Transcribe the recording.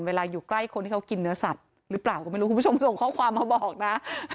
อยู่ใกล้คนที่เขากินเนื้อสัตว์หรือเปล่าก็ไม่รู้คุณผู้ชมส่งข้อความมาบอกนะ